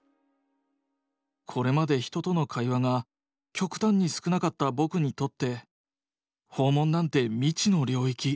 これまで人との会話が極端に少なかった僕にとって訪問なんて未知の領域。